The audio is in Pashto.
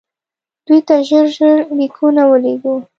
دوی ته ژر ژر لیکونه ولېږو.